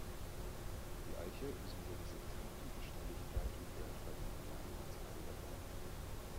Die Eiche symbolisiert Kraft und Beständigkeit und galt bei den Germanen als heiliger Baum.